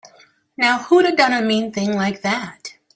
Now who'da done a mean thing like that?